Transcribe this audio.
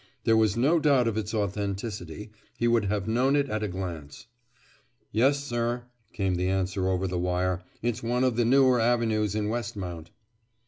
There was no doubt of its authenticity. He would have known it at a glance. "Yes, sir," came the answer over the wire. "It's one of the newer avenues in Westmount."